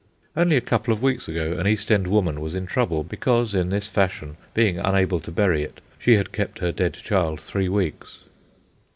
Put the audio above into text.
Only a couple of weeks ago, an East End woman was in trouble, because, in this fashion, being unable to bury it, she had kept her dead child three weeks.